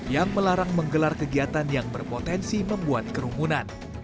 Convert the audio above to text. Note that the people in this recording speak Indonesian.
yang melarang menggelar kegiatan yang berpotensi membuat kerumunan